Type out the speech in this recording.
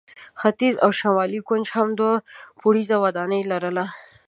ختیځ او شمال کونج هم دوه پوړیزه ودانۍ لرله.